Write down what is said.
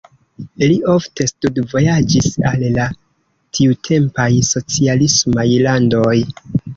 Li ofte studvojaĝis al la tiutempaj socialismaj landoj.